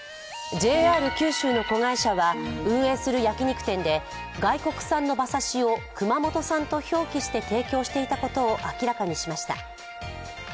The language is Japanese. ＪＲ九州の子会社は運営する焼き肉店で外国産の馬刺しを熊本産と表記して提供していたことを明らかにしました。